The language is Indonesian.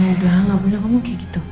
udah gak boleh ngomong kayak gitu